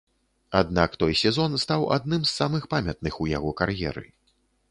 Аднак той сезон стаў адным з самых памятных у яго кар'еры.